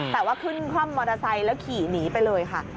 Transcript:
แต่ว่าขึ้นคล่อมมอเตอร์ไซค์แล้วขี่หนีไปเลยค่ะ